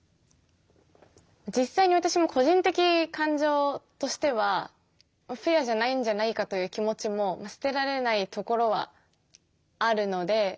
実際に私も個人的感情としてはフェアじゃないんじゃないかという気持ちもまあ捨てられないところはあるので。